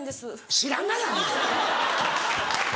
知らんがな！